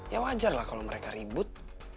ya wajar lah kalau mereka ribut